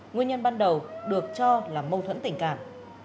nguyên nhân ban đầu được cho là mâu thuẫn tình cảm